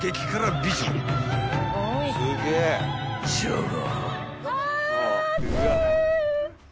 ［じゃが］